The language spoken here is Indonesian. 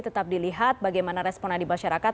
tetap dilihat bagaimana responnya di masyarakat